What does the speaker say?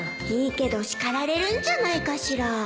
いいけど叱られるんじゃないかしら